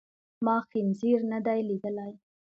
ما خنزير ندی لیدلی.